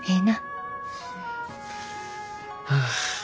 ああ。